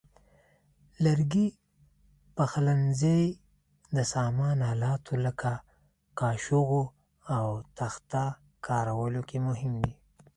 لرګي د پخلنځي د سامان آلاتو لکه کاشوغو او تخته کارولو کې مهم دي.